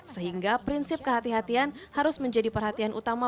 sehingga prinsip kehatian kehatian harus menjadi perhatian utama